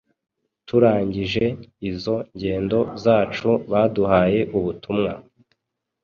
Turangije izo ngendo zacu baduhaye ubutumwa.